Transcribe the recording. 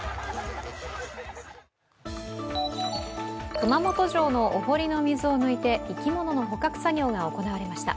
熊本城のお堀の水を抜いて生き物の捕獲作業が行われました。